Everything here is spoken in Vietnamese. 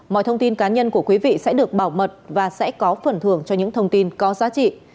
mọi thông tin cá nhân của quý vị sẽ được bảo mật và sẽ có phần thưởng cho những thông tin có giá trị